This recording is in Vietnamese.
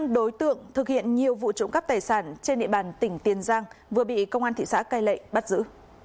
năm đối tượng thực hiện nhiều vụ trộm cắp tài sản trên địa bàn tỉnh tiền giang vừa bị công an thị xã cai lệ bắt giữ